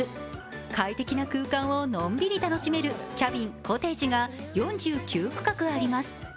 快適な空間をのんびり楽しめるキャビン／コテージが４９区画あります。